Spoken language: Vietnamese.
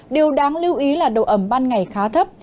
điều đáng lưu ý là độ ẩm ban ngày khá thấp